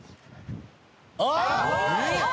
あっ！